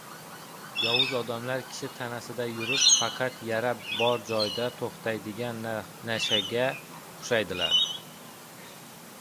Yovuz odamlar kishi tanasida yurib, faqat yara bor joyda to‘xtaydigan nashshaga o‘xshaydilar.